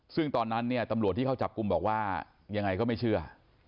ซึ่งตอนนั้นเนี่ยตำรวจที่เข้าจับกลุ่มบอกว่ายังไงก็ไม่เชื่อ